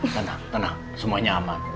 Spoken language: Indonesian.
tenang tenang semuanya aman